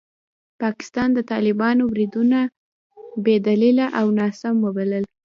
پاکستان د طالبانو بریدونه بې دلیله او ناسم وبلل.